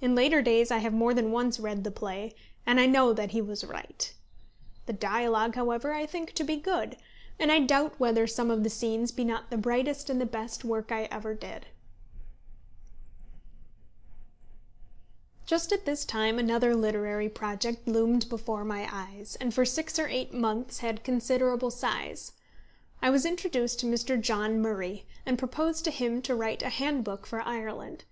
In later days I have more than once read the play, and I know that he was right. The dialogue, however, I think to be good, and I doubt whether some of the scenes be not the brightest and best work I ever did. Just at this time another literary project loomed before my eyes, and for six or eight months had considerable size. I was introduced to Mr. John Murray, and proposed to him to write a handbook for Ireland.